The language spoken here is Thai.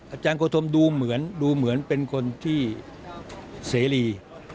อาจารย์โคธมดูเหมือนเป็นคนที่เสรี